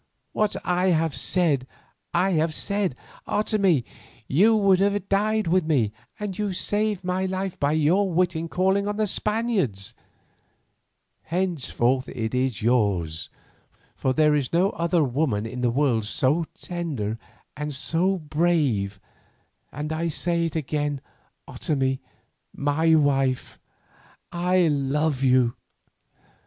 "What I have said, I have said. Otomie, you would have died with me, and you saved my life by your wit in calling on the Spaniards. Henceforth it is yours, for there is no other woman in the world so tender and so brave, and I say it again, Otomie, my wife, I love you.